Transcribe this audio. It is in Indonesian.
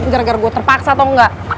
gara gara gua terpaksa atau engga